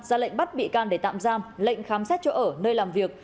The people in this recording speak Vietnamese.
ra lệnh bắt bị can để tạm giam lệnh khám xét chỗ ở nơi làm việc